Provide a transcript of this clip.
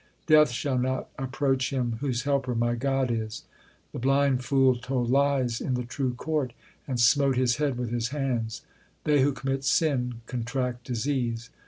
Death shall not approach him Whose helper my God is. The blind fool told lies in the true court, And smote his head with his hands. They who commit sin contract disease.